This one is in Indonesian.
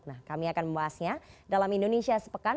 nah kami akan membahasnya dalam indonesia sepekan